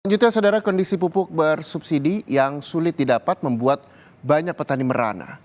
lanjutnya saudara kondisi pupuk bersubsidi yang sulit didapat membuat banyak petani merana